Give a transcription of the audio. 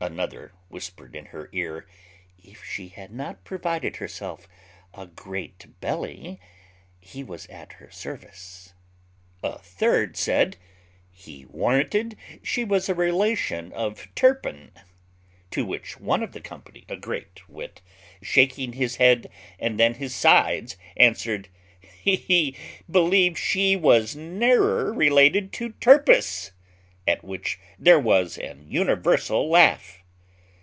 Another whispered in her ear, "If she had not provided herself a great belly, he was at her service." A third said, "He warranted she was a relation of Turpin." To which one of the company, a great wit, shaking his head, and then his sides, answered, "He believed she was nearer related to Turpis;" at which there was an universal laugh.